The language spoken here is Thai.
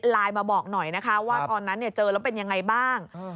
มาบอกหน่อยนะคะว่าตอนนั้นเจอแล้วเป็นยังไงบ้าง